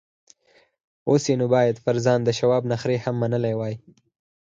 اوس يې نو بايد پر ځان د شواب نخرې هم منلې وای.